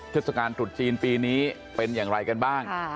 เทศกาลตรุษจีนปีนี้เป็นอย่างไรกันบ้าง